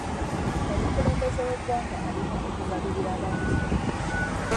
Omukulembeze w'eggwanga alina okugabirira abantu be.